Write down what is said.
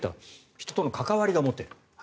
人との関わりが持てる。